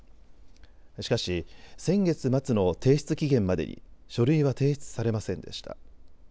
しかし先月末の提出期限までに書類は提出されませんでした。